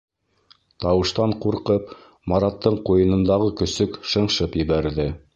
Тауыштан ҡурҡып, Мараттың ҡуйынындағы көсөк шыңшып ебәрҙе.